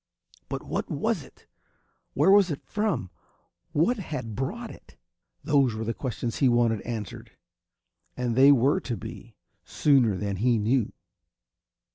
But what was it? Where was it from? What had brought it? Those were the questions he wanted answered; and they were to be, sooner than he knew.